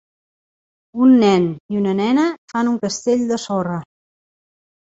Un nen i una nena fan un castell de sorra